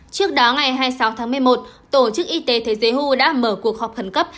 trước đó ngày hai mươi sáu tháng một mươi một tổ chức y tế thế giới đã mở cuộc họp khẩn cấp